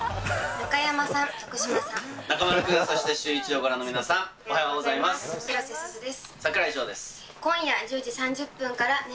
中丸君、そしてシューイチをご覧の皆さん、おはようございます。